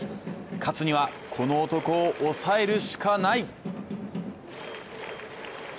勝つには、この男を抑えるしかない。